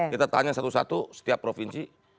kita tanya satu satu setiap provinsi